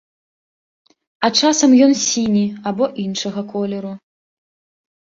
А часам ён сіні або іншага колеру.